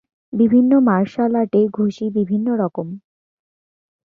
বিভিন্ন মার্শাল আর্টে ঘুষি বিভিন্ন রকম।